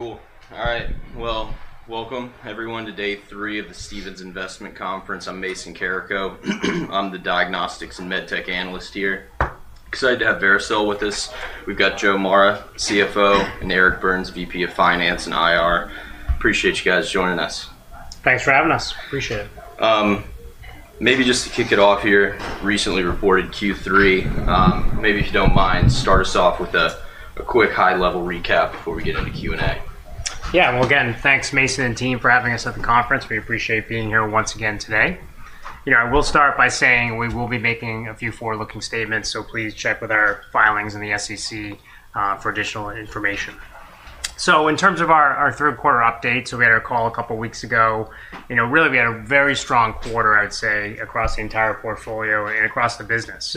Cool. All right. Welcome everyone to day three of the Stephens Investment Conference. I'm Mason Carrico. I'm the diagnostics and medtech analyst here. Excited to have Vericel with us. We've got Joe Mara, CFO, and Eric Burns, VP of Finance and IR. Appreciate you guys joining us. Thanks for having us. Appreciate it. Maybe just to kick it off here, recently reported Q3. Maybe if you do not mind, start us off with a quick high-level recap before we get into Q&A. Yeah. Again, thanks Mason and team for having us at the conference. We appreciate being here once again today. I will start by saying we will be making a few forward-looking statements, so please check with our filings in the SEC for additional information. In terms of our third-quarter updates, we had our call a couple of weeks ago. Really, we had a very strong quarter, I would say, across the entire portfolio and across the business.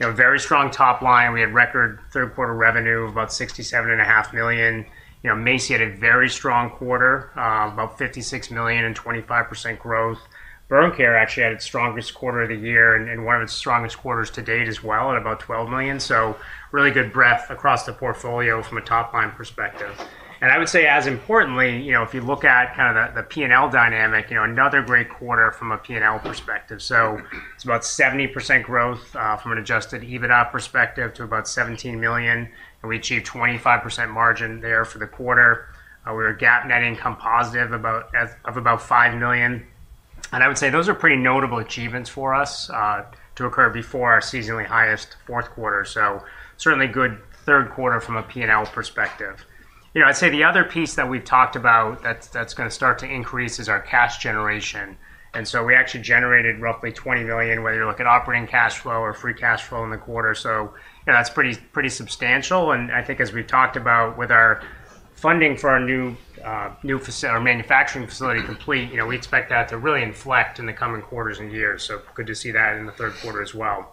Very strong top line. We had record third-quarter revenue of about $67.5 million. MACI had a very strong quarter, about $56 million and 25% growth. Burn care actually had its strongest quarter of the year and one of its strongest quarters to date as well at about $12 million. Really good breadth across the portfolio from a top-line perspective. I would say, as importantly, if you look at kind of the P&L dynamic, another great quarter from a P&L perspective. It is about 70% growth from an adjusted EBITDA perspective to about $17 million. We achieved 25% margin there for the quarter. We were GAAP net income positive of about $5 million. I would say those are pretty notable achievements for us to occur before our seasonally highest fourth quarter. Certainly good third quarter from a P&L perspective. I would say the other piece that we have talked about that is going to start to increase is our cash generation. We actually generated roughly $20 million, whether you look at operating cash flow or free cash flow in the quarter. That is pretty substantial. I think as we've talked about with our funding for our new manufacturing facility complete, we expect that to really inflect in the coming quarters and years. Good to see that in the third quarter as well.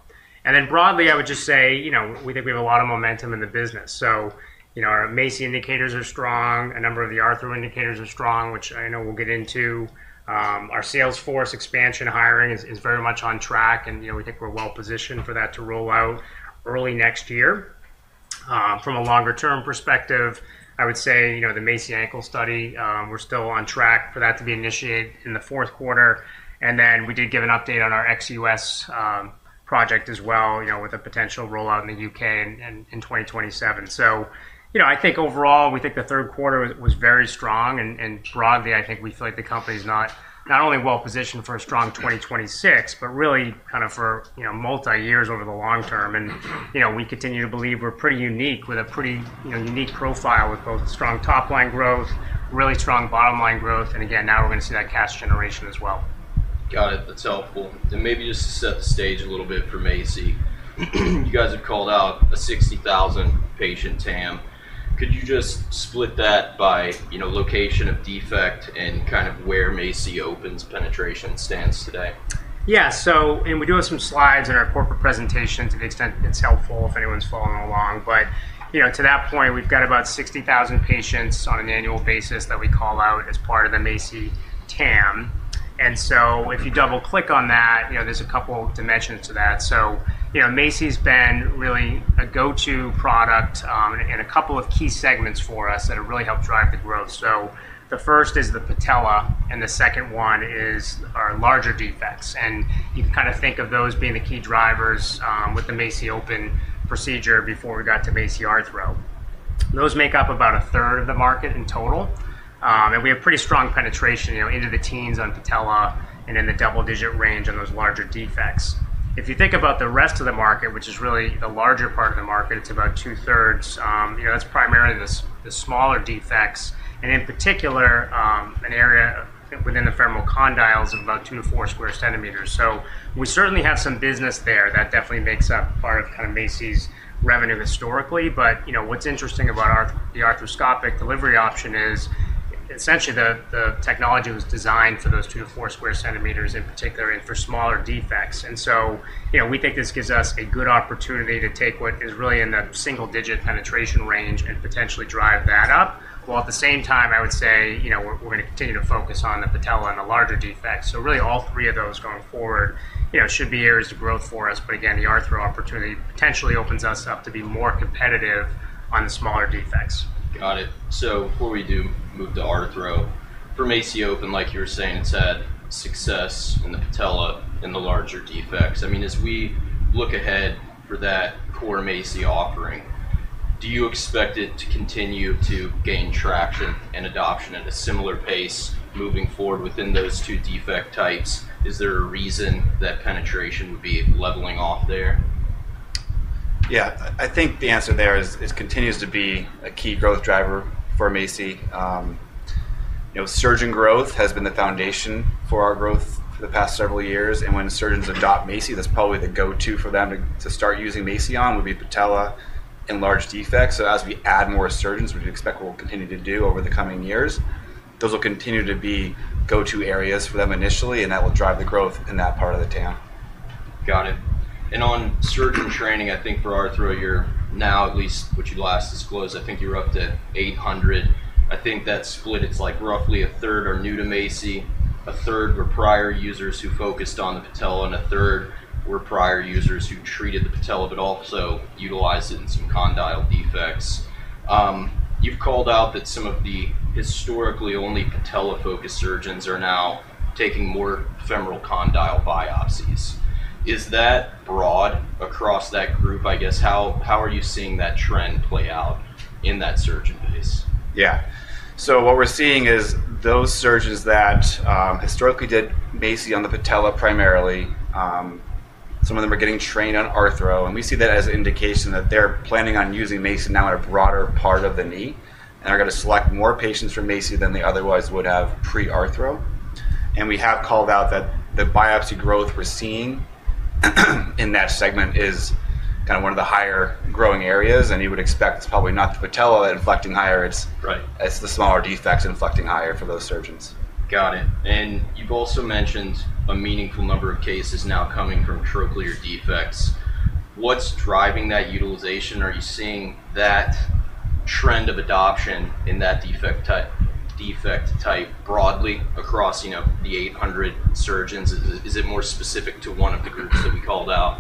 Broadly, I would just say we think we have a lot of momentum in the business. Our MACI indicators are strong. A number of the Arthro indicators are strong, which I know we'll get into. Our Salesforce expansion hiring is very much on track, and we think we're well positioned for that to roll out early next year. From a longer-term perspective, I would say the MACI Ankle study, we're still on track for that to be initiated in the fourth quarter. We did give an update on our ex-U.S. project as well with a potential rollout in the U.K. in 2027. I think overall, we think the third quarter was very strong. Broadly, I think we feel like the company is not only well positioned for a strong 2026, but really kind of for multi-years over the long term. We continue to believe we're pretty unique with a pretty unique profile with both strong top-line growth, really strong bottom-line growth. Again, now we're going to see that cash generation as well. Got it. That's helpful. Maybe just to set the stage a little bit for MACI, you guys have called out a 60,000-patient TAM. Could you just split that by location of defect and kind of where MACI Open's penetration stands today? Yeah. We do have some slides in our corporate presentation to the extent it's helpful if anyone's following along. To that point, we've got about 60,000 patients on an annual basis that we call out as part of the MACI TAM. If you double-click on that, there's a couple of dimensions to that. MACI has been really a go-to product in a couple of key segments for us that have really helped drive the growth. The first is the patella, and the second one is our larger defects. You can kind of think of those being the key drivers with the MACI Open procedure before we got to MACI Arthro. Those make up about a third of the market in total. We have pretty strong penetration into the teens on patella and in the double-digit range on those larger defects. If you think about the rest of the market, which is really the larger part of the market, it's about two-thirds, that's primarily the smaller defects. In particular, an area within the femoral condyles of about 2 sq cm, 4 sq cm. We certainly have some business there. That definitely makes up part of kind of MACI's revenue historically. What's interesting about the arthroscopic delivery option is essentially the technology was designed for those 2 sq cm, 4 sq cm in particular and for smaller defects. We think this gives us a good opportunity to take what is really in the single-digit penetration range and potentially drive that up. At the same time, I would say we're going to continue to focus on the patella and the larger defects. Really all three of those going forward should be areas of growth for us. Again, the Arthro opportunity potentially opens us up to be more competitive on the smaller defects. Got it. Before we do move to Arthro, from MACI Open, like you were saying, it's had success in the patella and the larger defects. I mean, as we look ahead for that core MACI offering, do you expect it to continue to gain traction and adoption at a similar pace moving forward within those two defect types? Is there a reason that penetration would be leveling off there? Yeah. I think the answer there is it continues to be a key growth driver for MACI. Surgeon growth has been the foundation for our growth for the past several years. When surgeons adopt MACI, that's probably the go-to for them to start using MACI on would be patella and large defects. As we add more surgeons, we expect we'll continue to do over the coming years. Those will continue to be go-to areas for them initially, and that will drive the growth in that part of the TAM. Got it. On surgeon training, I think for Arthro, you're now at least, what you last disclosed, I think you're up to 800. I think that split, it's like roughly a third are new to MACI, a third were prior users who focused on the patella, and a third were prior users who treated the patella but also utilized it in some condyle defects. You've called out that some of the historically only patella-focused surgeons are now taking more femoral condyle biopsies. Is that broad across that group? I guess, how are you seeing that trend play out in that surgeon base? Yeah. What we're seeing is those surgeons that historically did MACI on the patella primarily, some of them are getting trained on Arthro. We see that as an indication that they're planning on using MACI now in a broader part of the knee and are going to select more patients for MACI than they otherwise would have pre-Arthro. We have called out that the biopsy growth we're seeing in that segment is kind of one of the higher growing areas. You would expect it's probably not the patella that's inflecting higher. It's the smaller defects inflecting higher for those surgeons. Got it. You have also mentioned a meaningful number of cases now coming from trochlear defects. What is driving that utilization? Are you seeing that trend of adoption in that defect type broadly across the 800 surgeons? Is it more specific to one of the groups that we called out?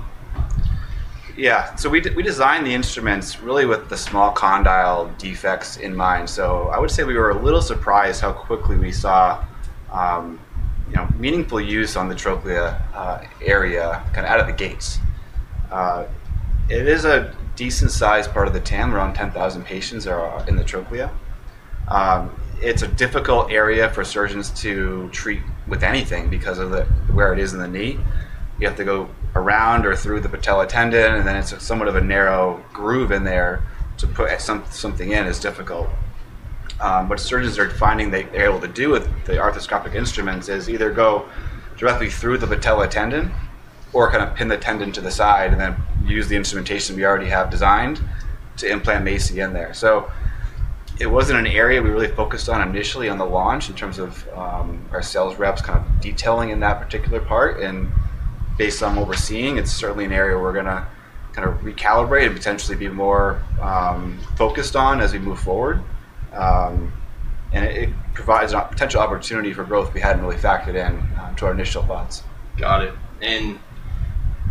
Yeah. We designed the instruments really with the small condyle defects in mind. I would say we were a little surprised how quickly we saw meaningful use on the trochlear area kind of out of the gates. It is a decent-sized part of the TAM. Around 10,000 patients are in the trochlea. It's a difficult area for surgeons to treat with anything because of where it is in the knee. You have to go around or through the patella tendon, and then it's somewhat of a narrow groove in there to put something in. It's difficult. What surgeons are finding they're able to do with the arthroscopic instruments is either go directly through the patella tendon or kind of pin the tendon to the side and then use the instrumentation we already have designed to implant MACI in there. It wasn't an area we really focused on initially on the launch in terms of our sales reps kind of detailing in that particular part. Based on what we're seeing, it's certainly an area we're going to kind of recalibrate and potentially be more focused on as we move forward. It provides a potential opportunity for growth we hadn't really factored in to our initial thoughts. Got it.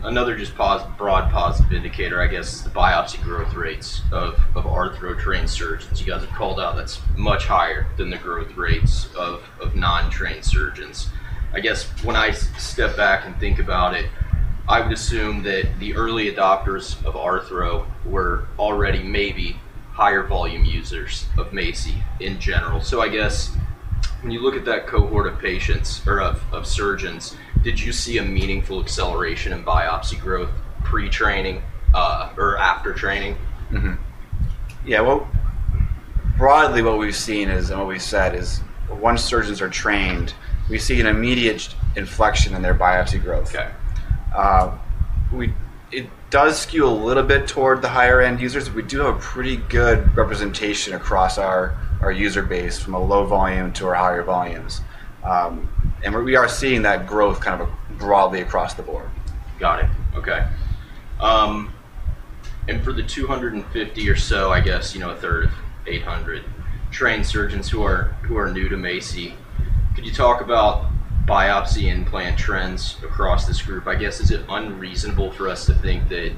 Another just broad positive indicator, I guess, is the biopsy growth rates of Arthro-trained surgeons. You guys have called out that's much higher than the growth rates of non-trained surgeons. I guess when I step back and think about it, I would assume that the early adopters of Arthro were already maybe higher volume users of MACI in general. I guess when you look at that cohort of patients or of surgeons, did you see a meaningful acceleration in biopsy growth pre-training or after training? Yeah. Broadly, what we've seen is, and what we said is once surgeons are trained, we see an immediate inflection in their biopsy growth. It does skew a little bit toward the higher-end users. We do have a pretty good representation across our user base from a low volume to our higher volumes. We are seeing that growth kind of broadly across the board. Got it. Okay. For the 250 or so, I guess a third of 800 trained surgeons who are new to MACI, could you talk about biopsy implant trends across this group? I guess, is it unreasonable for us to think that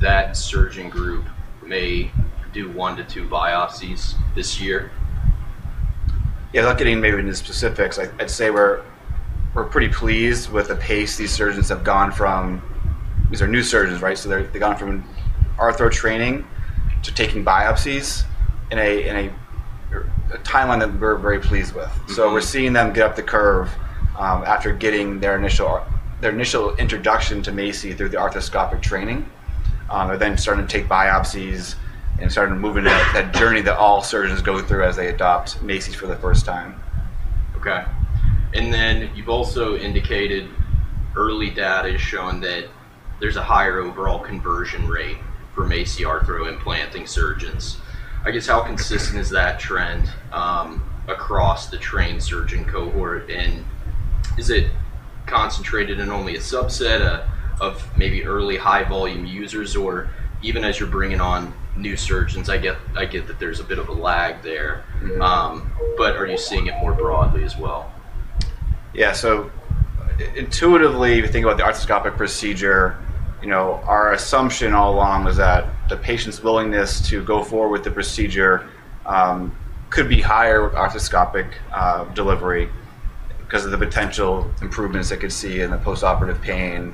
that surgeon group may do 1-2 biopsies this year? Yeah. Without getting maybe into specifics, I'd say we're pretty pleased with the pace these surgeons have gone from these are new surgeons, right? They've gone from Arthro training to taking biopsies in a timeline that we're very pleased with. We're seeing them get up the curve after getting their initial introduction to MACI through the arthroscopic training. They're then starting to take biopsies and started moving that journey that all surgeons go through as they adopt MACI for the first time. Okay. You have also indicated early data is showing that there is a higher overall conversion rate for MACI Arthro implanting surgeons. I guess, how consistent is that trend across the trained surgeon cohort? Is it concentrated in only a subset of maybe early high-volume users? Even as you are bringing on new surgeons, I get that there is a bit of a lag there. Are you seeing it more broadly as well? Yeah. Intuitively, if you think about the arthroscopic procedure, our assumption all along was that the patient's willingness to go forward with the procedure could be higher with arthroscopic delivery because of the potential improvements they could see in the postoperative pain,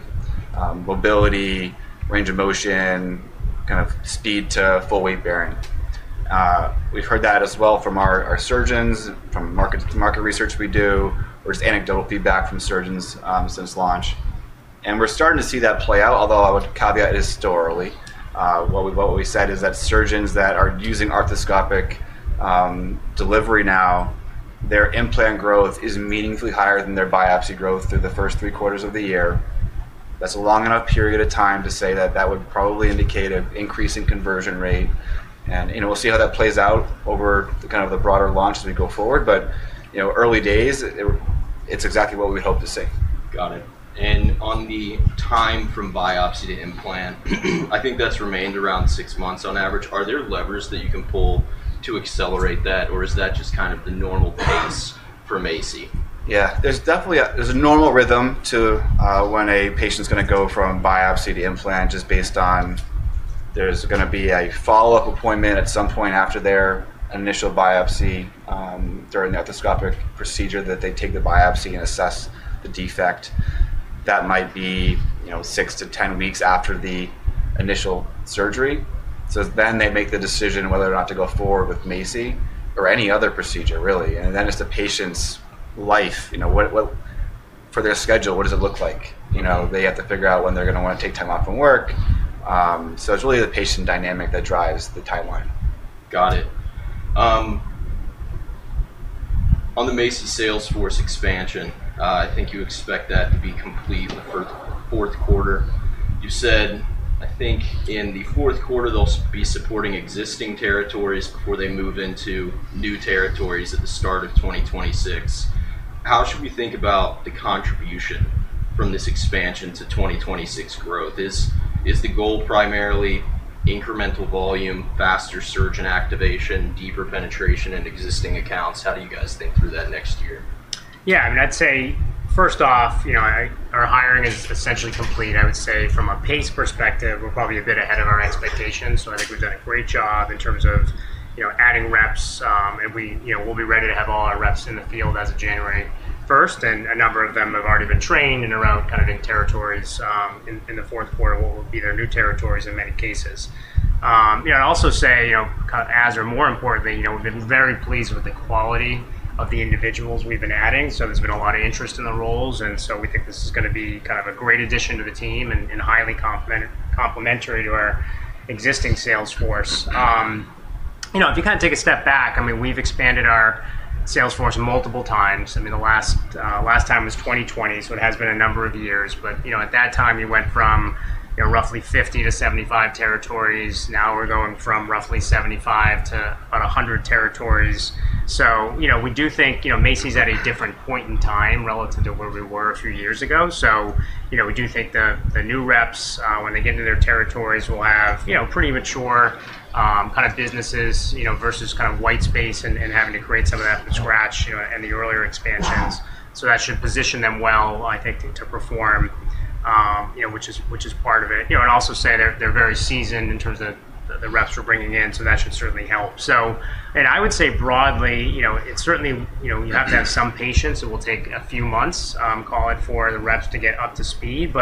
mobility, range of motion, kind of speed to full weight-bearing. We've heard that as well from our surgeons, from market research we do, or just anecdotal feedback from surgeons since launch. We're starting to see that play out, although I would caveat historically. What we said is that surgeons that are using arthroscopic delivery now, their implant growth is meaningfully higher than their biopsy growth through the first three quarters of the year. That's a long enough period of time to say that that would probably indicate an increasing conversion rate. We'll see how that plays out over kind of the broader launch as we go forward. But early days, it's exactly what we hope to see. Got it. On the time from biopsy to implant, I think that's remained around six months on average. Are there levers that you can pull to accelerate that, or is that just kind of the normal pace for MACI? Yeah. There's a normal rhythm to when a patient's going to go from biopsy to implant just based on there's going to be a follow-up appointment at some point after their initial biopsy during the arthroscopic procedure that they take the biopsy and assess the defect. That might be 6-10 weeks after the initial surgery. They make the decision whether or not to go forward with MACI or any other procedure, really. It is the patient's life. For their schedule, what does it look like? They have to figure out when they're going to want to take time off from work. It is really the patient dynamic that drives the timeline. Got it. On the MACI Salesforce expansion, I think you expect that to be complete in the fourth quarter. You said, "I think in the fourth quarter, they'll be supporting existing territories before they move into new territories at the start of 2026." How should we think about the contribution from this expansion to 2026 growth? Is the goal primarily incremental volume, faster surgeon activation, deeper penetration in existing accounts? How do you guys think through that next year? Yeah. I mean, I'd say, first off, our hiring is essentially complete. I would say from a pace perspective, we're probably a bit ahead of our expectations. I think we've done a great job in terms of adding reps. We'll be ready to have all our reps in the field as of January 1st. A number of them have already been trained and are out kind of in territories in the fourth quarter, what will be their new territories in many cases. I'd also say, as or more importantly, we've been very pleased with the quality of the individuals we've been adding. There's been a lot of interest in the roles. We think this is going to be kind of a great addition to the team and highly complementary to our existing Salesforce. If you kind of take a step back, I mean, we've expanded our Salesforce multiple times. I mean, the last time was 2020, so it has been a number of years. At that time, we went from roughly 50-75 territories. Now we're going from roughly 75 to about 100 territories. We do think MACI's at a different point in time relative to where we were a few years ago. We do think the new reps, when they get into their territories, will have pretty mature kind of businesses versus kind of white space and having to create some of that from scratch in the earlier expansions. That should position them well, I think, to perform, which is part of it. I also say they're very seasoned in terms of the reps we're bringing in, so that should certainly help. I would say broadly, it certainly you have to have some patience. It will take a few months, call it, for the reps to get up to speed.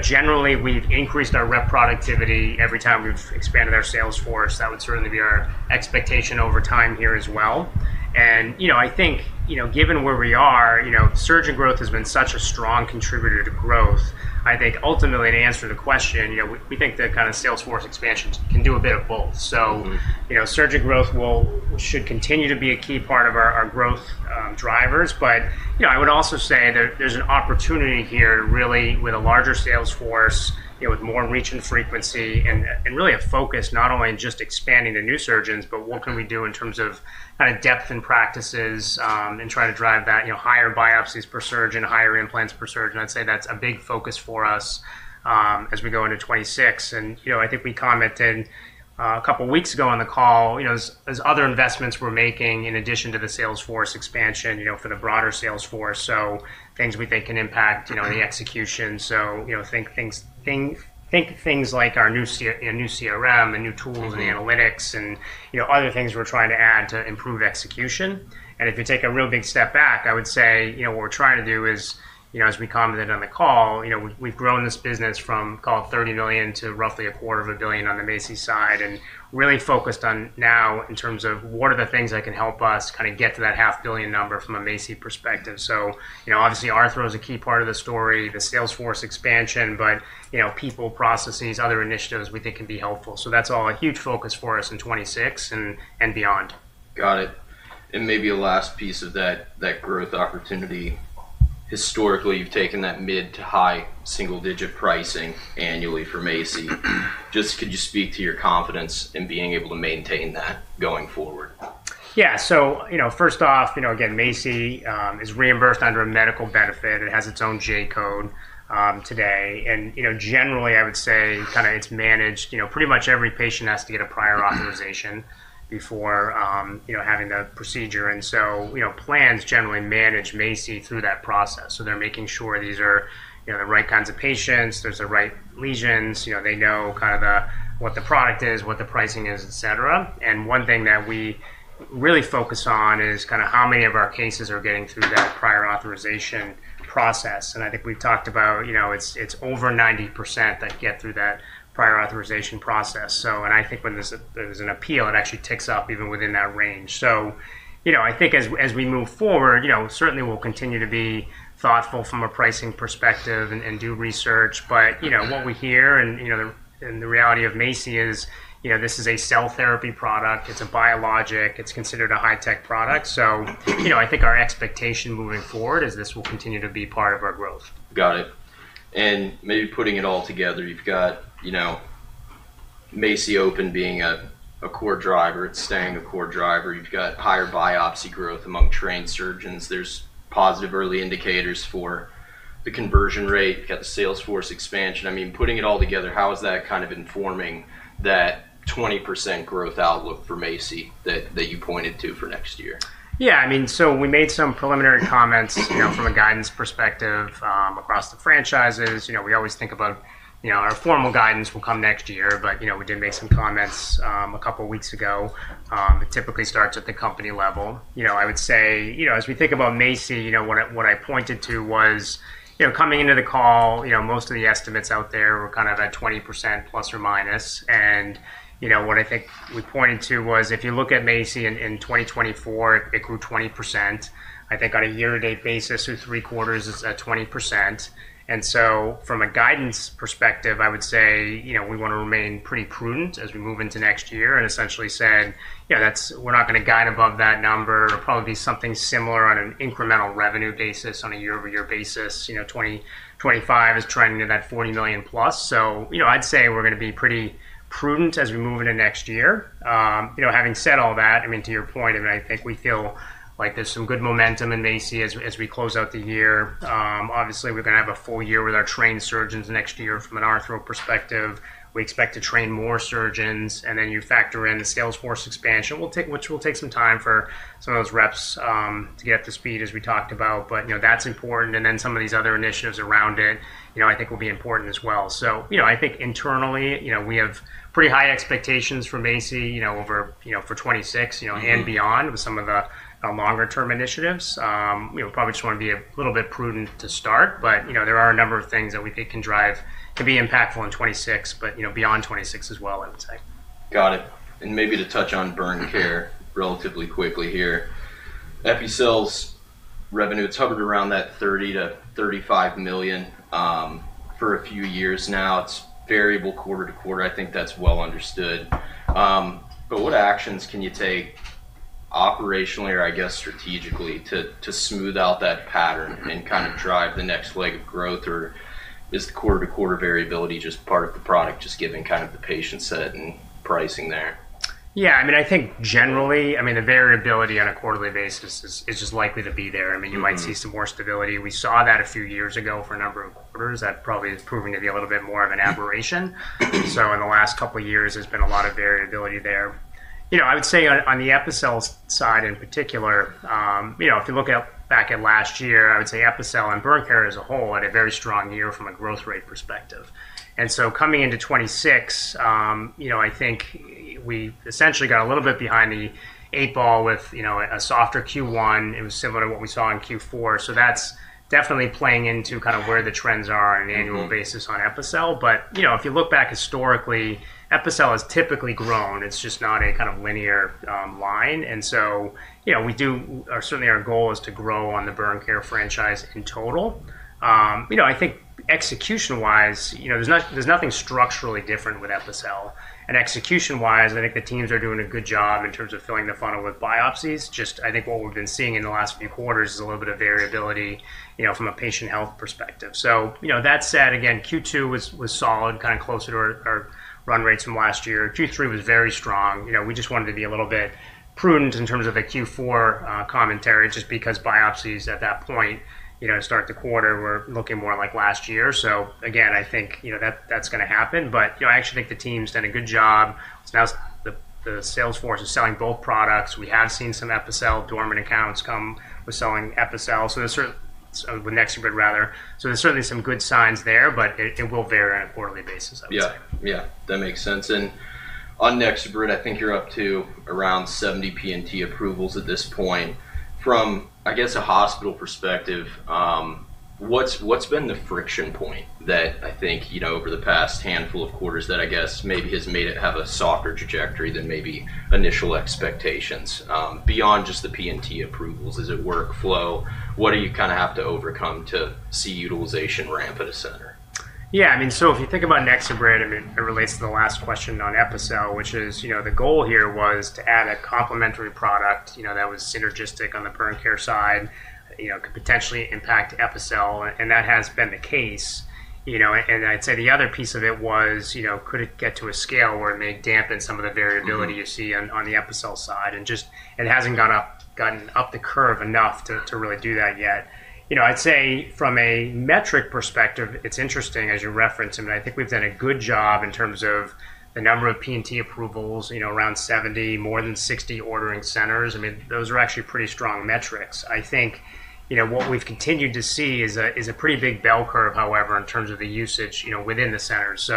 Generally, we've increased our rep productivity every time we've expanded our Salesforce. That would certainly be our expectation over time here as well. I think given where we are, surgeon growth has been such a strong contributor to growth. I think ultimately, to answer the question, we think the kind of Salesforce expansion can do a bit of both. Surgeon growth should continue to be a key part of our growth drivers. I would also say there's an opportunity here really with a larger Salesforce, with more reach and frequency, and really a focus not only in just expanding the new surgeons, but what can we do in terms of kind of depth and practices and trying to drive that higher biopsies per surgeon, higher implants per surgeon. I'd say that's a big focus for us as we go into 2026. I think we commented a couple of weeks ago on the call as other investments we're making in addition to the Salesforce expansion for the broader Salesforce. Things we think can impact the execution. Think things like our new CRM and new tools and analytics and other things we're trying to add to improve execution. If you take a real big step back, I would say what we're trying to do is, as we commented on the call, we've grown this business from, call it, $30 million to roughly a $250 million on the MACI side and really focused on now in terms of what are the things that can help us kind of get to that $500 million number from a MACI perspective. Obviously, Arthro is a key part of the story, the Salesforce expansion, but people, processes, other initiatives we think can be helpful. That is all a huge focus for us in 2026 and beyond. Got it. Maybe a last piece of that growth opportunity. Historically, you've taken that mid to high single-digit pricing annually for MACI. Just could you speak to your confidence in being able to maintain that going forward? Yeah. First off, again, MACI is reimbursed under a medical benefit. It has its own J-code today. Generally, I would say kind of it's managed. Pretty much every patient has to get a prior authorization before having the procedure. Plans generally manage MACI through that process. They're making sure these are the right kinds of patients. There's the right lesions. They know kind of what the product is, what the pricing is, etc. One thing that we really focus on is kind of how many of our cases are getting through that prior authorization process. I think we've talked about it's over 90% that get through that prior authorization process. I think when there's an appeal, it actually ticks up even within that range. I think as we move forward, certainly we'll continue to be thoughtful from a pricing perspective and do research. What we hear and the reality, MACI, is this is a cell therapy product. It's a biologic. It's considered a high-tech product. I think our expectation moving forward is this will continue to be part of our growth. Got it. Maybe putting it all together, you've got MACI Open being a core driver. It's staying a core driver. You've got higher biopsy growth among trained surgeons. There's positive early indicators for the conversion rate. You've got the Salesforce expansion. I mean, putting it all together, how is that kind of informing that 20% growth outlook for MACI that you pointed to for next year? Yeah. I mean, we made some preliminary comments from a guidance perspective across the franchises. We always think about our formal guidance will come next year, but we did make some comments a couple of weeks ago. It typically starts at the company level. I would say as we think about MACI, what I pointed to was coming into the call, most of the estimates out there were kind of at 20% ±. What I think we pointed to was if you look at MACI in 2024, it grew 20%. I think on a year-to-date basis, through three quarters, it's at 20%. From a guidance perspective, I would say we want to remain pretty prudent as we move into next year and essentially said, "We're not going to guide above that number." It'll probably be something similar on an incremental revenue basis on a year-over-year basis. 2025 is trending at that $40 million+. I would say we're going to be pretty prudent as we move into next year. Having said all that, I mean, to your point, I mean, I think we feel like there's some good momentum in MACI as we close out the year. Obviously, we're going to have a full year with our trained surgeons next year from an Arthro perspective. We expect to train more surgeons. And then you factor in the Salesforce expansion, which will take some time for some of those reps to get up to speed as we talked about. That is important. Then some of these other initiatives around it, I think, will be important as well. I think internally, we have pretty high expectations for MACI for 2026 and beyond with some of the longer-term initiatives. We probably just want to be a little bit prudent to start. There are a number of things that we think can be impactful in 2026, but beyond 2026 as well, I would say. Got it. Maybe to touch on burn care relatively quickly here. Epicel's revenue, it's hovered around that $30 million-$35 million for a few years now. It's variable quarter to quarter. I think that's well understood. What actions can you take operationally or, I guess, strategically to smooth out that pattern and kind of drive the next leg of growth? Is the quarter-to-quarter variability just part of the product, just given kind of the patient set and pricing there? Yeah. I mean, I think generally, I mean, the variability on a quarterly basis is just likely to be there. I mean, you might see some more stability. We saw that a few years ago for a number of quarters. That probably is proving to be a little bit more of an aberration. In the last couple of years, there's been a lot of variability there. I would say on the Epicel side in particular, if you look back at last year, I would say Epicel and burn care as a whole had a very strong year from a growth rate perspective. Coming into 2026, I think we essentially got a little bit behind the eight ball with a softer Q1. It was similar to what we saw in Q4. That is definitely playing into kind of where the trends are on an annual basis on Epicel. If you look back historically, Epicel has typically grown. It's just not a kind of linear line. We do certainly, our goal is to grow on the burn care franchise in total. I think execution-wise, there's nothing structurally different with Epicel. Execution-wise, I think the teams are doing a good job in terms of filling the funnel with biopsies. I think what we've been seeing in the last few quarters is a little bit of variability from a patient health perspective. That said, again, Q2 was solid, kind of closer to our run rates from last year. Q3 was very strong. We just wanted to be a little bit prudent in terms of the Q4 commentary just because biopsies at that point, start the quarter, were looking more like last year. I think that's going to happen. I actually think the team's done a good job. The Salesforce is selling both products. We have seen some Epicel dormant accounts come with selling Epicel. The next year would rather. There are certainly some good signs there, but it will vary on a quarterly basis, I would say. Yeah. Yeah. That makes sense. On NexoBrid, I think you're up to around 70 P&T approvals at this point. From, I guess, a hospital perspective, what's been the friction point that I think over the past handful of quarters that I guess maybe has made it have a softer trajectory than maybe initial expectations beyond just the P&T approvals? Is it workflow? What do you kind of have to overcome to see utilization ramp at a center? Yeah. I mean, if you think about NexoBrid, I mean, it relates to the last question on Epicel, which is the goal here was to add a complementary product that was synergistic on the burn care side, could potentially impact Epicel. That has been the case. I'd say the other piece of it was, could it get to a scale where it may dampen some of the variability you see on the Epicel side? It hasn't gotten up the curve enough to really do that yet. I'd say from a metric perspective, it's interesting as you referenced. I mean, I think we've done a good job in terms of the number of P&T approvals, around 70, more than 60 ordering centers. I mean, those are actually pretty strong metrics. I think what we've continued to see is a pretty big bell curve, however, in terms of the usage within the centers.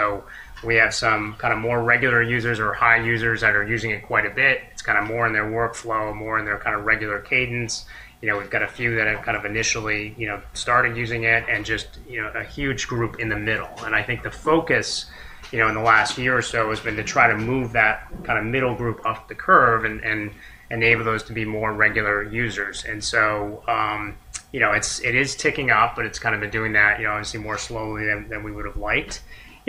We have some kind of more regular users or high users that are using it quite a bit. It's kind of more in their workflow, more in their kind of regular cadence. We've got a few that have kind of initially started using it and just a huge group in the middle. I think the focus in the last year or so has been to try to move that kind of middle group up the curve and enable those to be more regular users. It is ticking up, but it's kind of been doing that, obviously, more slowly than we would have liked.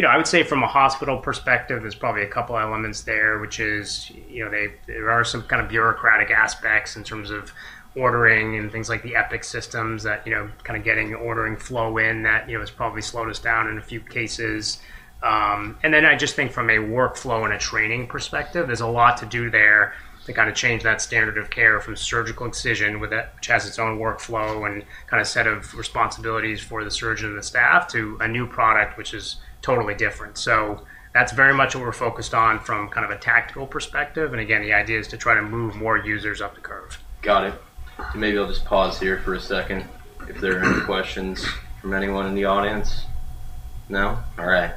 I would say from a hospital perspective, there's probably a couple of elements there, which is there are some kind of bureaucratic aspects in terms of ordering and things like the Epic systems that kind of getting ordering flow in that has probably slowed us down in a few cases. I just think from a workflow and a training perspective, there's a lot to do there to kind of change that standard of care from surgical excision, which has its own workflow and kind of set of responsibilities for the surgeon and the staff, to a new product, which is totally different. That is very much what we're focused on from kind of a tactical perspective. Again, the idea is to try to move more users up the curve. Got it. Maybe I'll just pause here for a second if there are any questions from anyone in the audience. No? All right.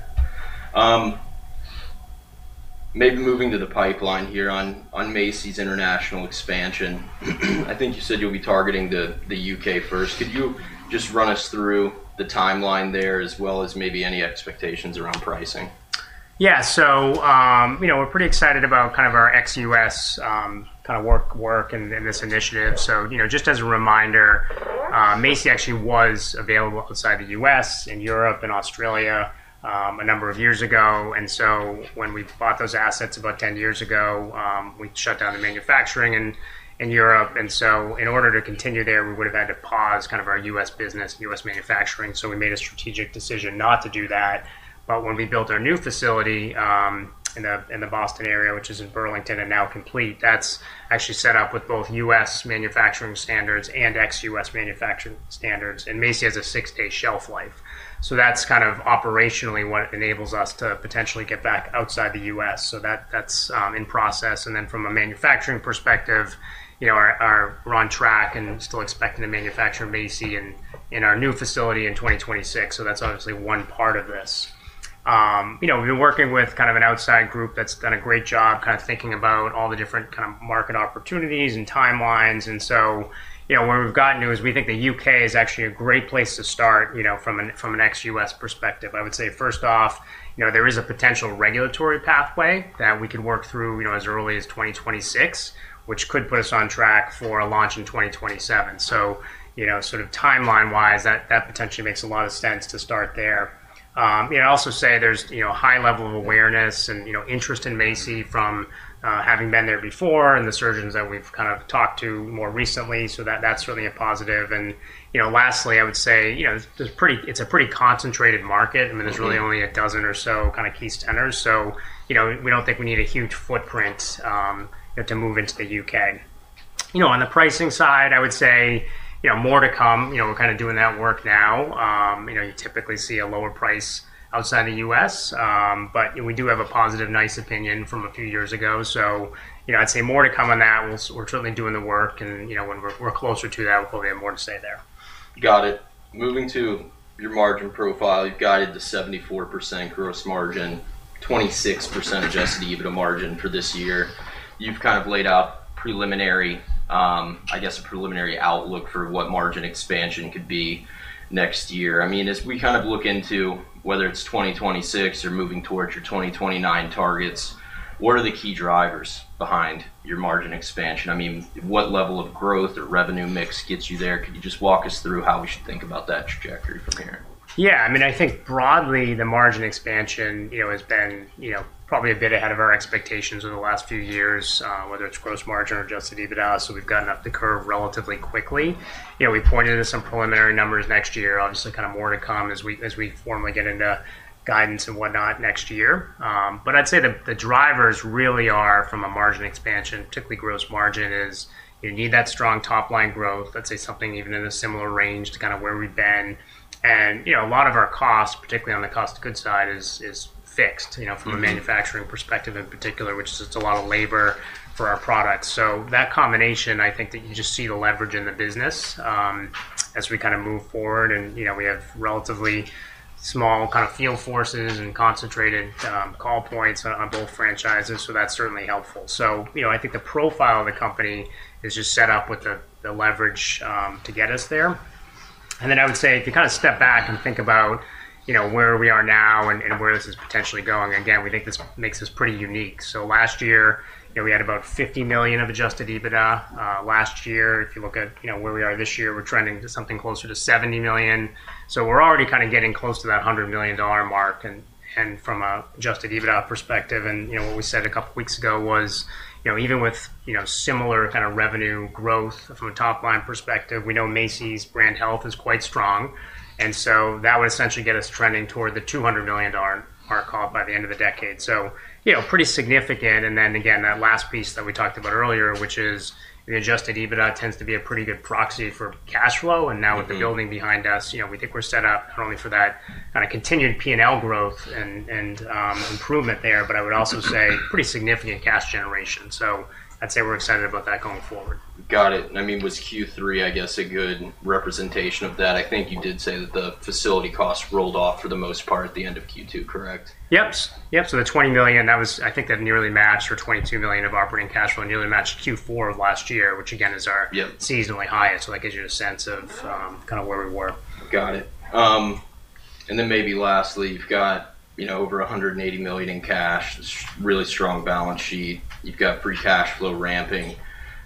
Maybe moving to the pipeline here on MACI's international expansion. I think you said you'll be targeting the U.K. first. Could you just run us through the timeline there as well as maybe any expectations around pricing? Yeah. So we're pretty excited about kind of our ex-U.S. kind of work and this initiative. So just as a reminder, MACI actually was available outside the U.S. and Europe and Australia a number of years ago. And so when we bought those assets about 10 years ago, we shut down the manufacturing in Europe. And so in order to continue there, we would have had to pause kind of our U.S. business, U.S. manufacturing. So we made a strategic decision not to do that. But when we built our new facility in the Boston area, which is in Burlington and now complete, that's actually set up with both U.S. manufacturing standards and ex-U.S. manufacturing standards. And MACI has a six-day shelf life. So that's kind of operationally what enables us to potentially get back outside the U.S.. So that's in process. From a manufacturing perspective, we're on track and still expecting to manufacture MACI in our new facility in 2026. That's obviously one part of this. We've been working with kind of an outside group that's done a great job kind of thinking about all the different kind of market opportunities and timelines. Where we've gotten to is we think the U.K. is actually a great place to start from an ex-U.S. perspective. I would say first off, there is a potential regulatory pathway that we could work through as early as 2026, which could put us on track for a launch in 2027. Timeline-wise, that potentially makes a lot of sense to start there. I also say there's a high level of awareness and interest in MACI from having been there before and the surgeons that we've kind of talked to more recently. That is certainly a positive. Lastly, I would say it's a pretty concentrated market. I mean, there's really only a dozen or so kind of key centers. We don't think we need a huge footprint to move into the U.K. On the pricing side, I would say more to come. We're kind of doing that work now. You typically see a lower price outside the U.S. We do have a positive NICE opinion from a few years ago. I would say more to come on that. We're certainly doing the work. When we're closer to that, we'll probably have more to say there. Got it. Moving to your margin profile, you've guided the 74% gross margin, 26% adjusted EBITDA margin for this year. You've kind of laid out, I guess, a preliminary outlook for what margin expansion could be next year. I mean, as we kind of look into whether it's 2026 or moving towards your 2029 targets, what are the key drivers behind your margin expansion? I mean, what level of growth or revenue mix gets you there? Could you just walk us through how we should think about that trajectory from here? Yeah. I mean, I think broadly, the margin expansion has been probably a bit ahead of our expectations over the last few years, whether it's gross margin or adjusted EBITDA. We've gotten up the curve relatively quickly. We pointed to some preliminary numbers next year, obviously kind of more to come as we formally get into guidance and whatnot next year. I'd say the drivers really are from a margin expansion, particularly gross margin, is you need that strong top-line growth. Let's say something even in a similar range to kind of where we've been. A lot of our costs, particularly on the cost of goods side, is fixed from a manufacturing perspective in particular, which is just a lot of labor for our products. That combination, I think that you just see the leverage in the business as we kind of move forward. We have relatively small kind of field forces and concentrated call points on both franchises. That is certainly helpful. I think the profile of the company is just set up with the leverage to get us there. I would say if you kind of step back and think about where we are now and where this is potentially going, again, we think this makes us pretty unique. Last year, we had about $50 million of adjusted EBITDA. Last year, if you look at where we are this year, we are trending to something closer to $70 million. We are already kind of getting close to that $100 million mark from an adjusted EBITDA perspective. What we said a couple of weeks ago was even with similar kind of revenue growth from a top-line perspective, we know MACI's brand health is quite strong. That would essentially get us trending toward the $200 million mark by the end of the decade. Pretty significant. That last piece that we talked about earlier, which is the adjusted EBITDA, tends to be a pretty good proxy for cash flow. Now with the building behind us, we think we're set up not only for that kind of continued P&L growth and improvement there, but I would also say pretty significant cash generation. I'd say we're excited about that going forward. Got it. I mean, was Q3, I guess, a good representation of that? I think you did say that the facility costs rolled off for the most part at the end of Q2, correct? Yep. Yep. The $20 million, I think that nearly matched, or $22 million of operating cash flow nearly matched Q4 of last year, which again is our seasonally highest. That gives you a sense of kind of where we were. Got it. Maybe lastly, you've got over $180 million in cash, really strong balance sheet. You've got free cash flow ramping.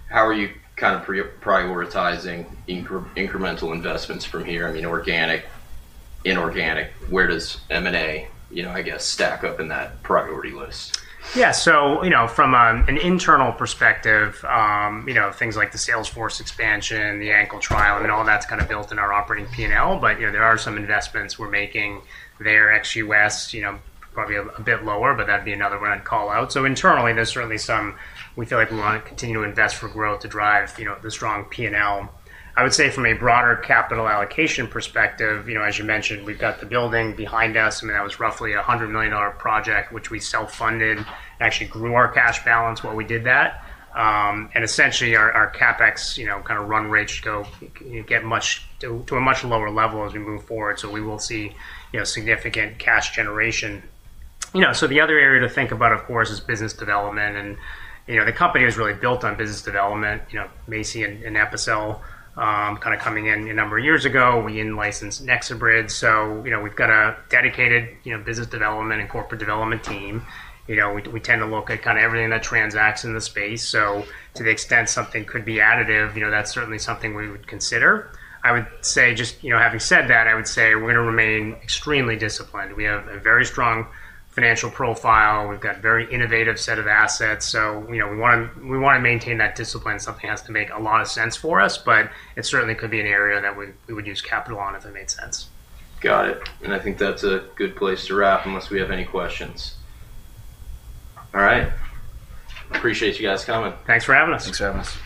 How are you kind of prioritizing incremental investments from here? I mean, organic, inorganic, where does M&A, I guess, stack up in that priority list? Yeah. From an internal perspective, things like the Salesforce expansion, the ankle trial, I mean, all that's kind of built in our operating P&L. There are some investments we're making there. Ex-U.S., probably a bit lower, but that'd be another one I'd call out. Internally, there's certainly some we feel like we want to continue to invest for growth to drive the strong P&L. I would say from a broader capital allocation perspective, as you mentioned, we've got the building behind us. I mean, that was roughly a $100 million project, which we self-funded and actually grew our cash balance while we did that. Essentially, our CapEx kind of run rates get to a much lower level as we move forward. We will see significant cash generation. The other area to think about, of course, is business development. The company is really built on business development. MACI and Epicel kind of coming in a number of years ago. We licensed NexoBrid. We have a dedicated business development and corporate development team. We tend to look at kind of everything that transacts in the space. To the extent something could be additive, that's certainly something we would consider. I would say just having said that, I would say we're going to remain extremely disciplined. We have a very strong financial profile. We've got a very innovative set of assets. We want to maintain that discipline. Something has to make a lot of sense for us, but it certainly could be an area that we would use capital on if it made sense. Got it. I think that's a good place to wrap unless we have any questions. All right. Appreciate you guys coming. Thanks for having us. Thanks for having us.